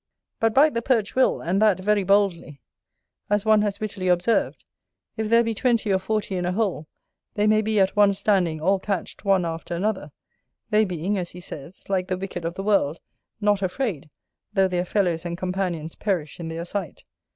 But bite the Perch will, and that very boldly. And, as one has wittily observed, if there be twenty or forty in a hole, they may be, at one standing, all catched one after another; they being, as he says, like the wicked of the world, not afraid, though their fellows and companions perish in their sight.